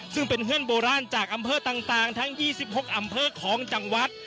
ซึ่งเป็นเพื่อนโบราณจากอำเภอต่างทั้ง๒๖อำเภอของจังหวัด